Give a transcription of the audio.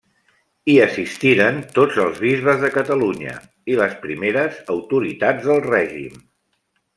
Hi assistiren tots els bisbes de Catalunya i les primeres autoritats del règim.